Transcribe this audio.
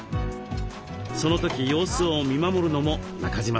その時様子を見守るのも中島さんの役割です。